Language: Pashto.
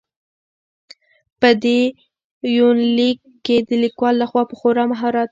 په دې يونليک کې د ليکوال لخوا په خورا مهارت.